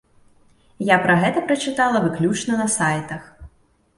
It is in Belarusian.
Я пра гэта прачытала выключна на сайтах.